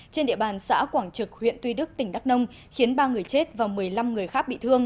trên địa bàn xã quảng trực huyện tuy đức tỉnh đắk nông khiến ba người chết và một mươi năm người khác bị thương